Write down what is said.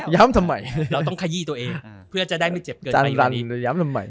ทำไมเราต้องขยี้ตัวเองเพื่อจะได้ไม่เจ็บเกินย้ำทำไม